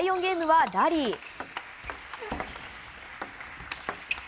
ゲームはラリー。